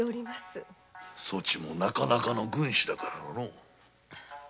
そちもなかなかの軍師だからの。